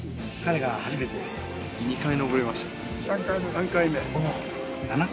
３回目